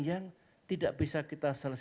yang tidak bisa kita